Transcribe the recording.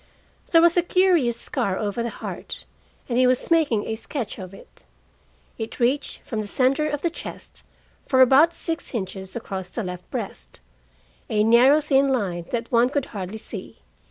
There was a curious scar over the heart, and he was making a sketch of it. It reached from the center of the chest for about six inches across the left breast, a narrow thin line that one could hardly see.